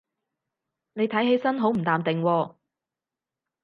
你睇起身好唔淡定喎